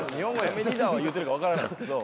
「駄目ニダ」は言うてるか分からないですけど。